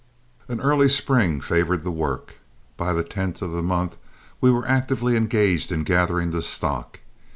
An early spring favored the work. By the 10th of the month we were actively engaged in gathering the stock.